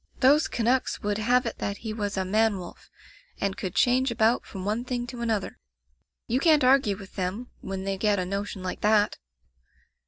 Those Canucks would have it that he was a man wolf, and could change about from one thing to another. You can't argue with them, when they get a notion like that.